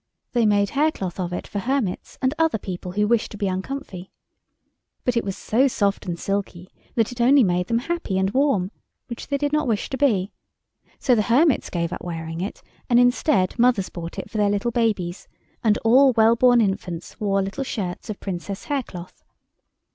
They made haircloth of it, for hermits, and other people who wished to be uncomfy. But it was so soft and silky that it only made them happy and warm, which they did not wish to be. So the hermits gave up wearing it, and, instead, mothers bought it for their little babies, and all well born infants wore little shirts of Princess haircloth.